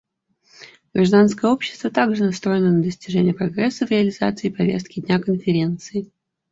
Гражданское общество также настроено на достижение прогресса в реализации повестки дня Конференции.